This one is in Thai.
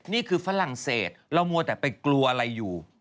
ฝรั่งเศสเรามัวแต่ไปกลัวอะไรอยู่